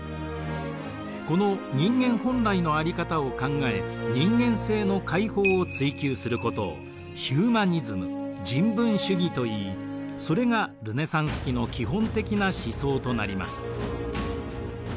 この人間本来のあり方を考え人間性の解放を追求することをヒューマニズム人文主義といいそれがルネサンス期の基本的な思想となります。